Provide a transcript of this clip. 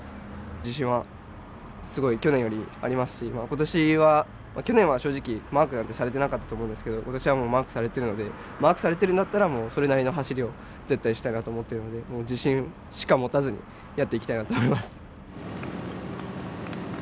自信はすごい去年よりありますし、去年は正直マークなんてされてなかったと思うんですけど今年はもうマークされているので、マークされているんだったらそれなりの走りを絶対したいなと思っているので自身しか持たずにやっていきたいなと思います。